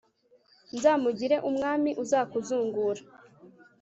nzamugire umwami uzakuzungura